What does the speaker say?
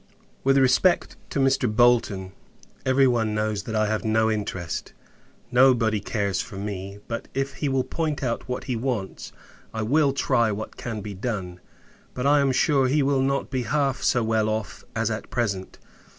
With respect to Mr. Bolton every body knows, that I have no interest; nobody cares for me: but, if he will point out what he wants, I will try what can be done. But, I am sure, he will not be half so well off as at present.